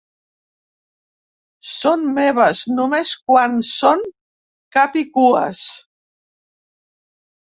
Són meves només quan són capicues.